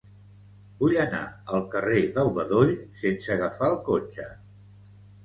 Vull anar al carrer del Bedoll sense agafar el cotxe.